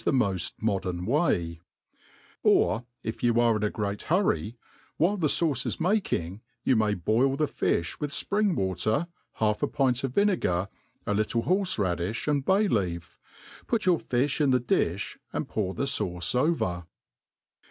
;he moft modern way^ i Or, if you are in a great hurfy, while the fattce is making^ ypu may boil the fi(h with fpriAg water, half a pint of vine gar, a little horfe radd lib, and bay leaf; put your (ifli in > the difli, and pour the fauce over.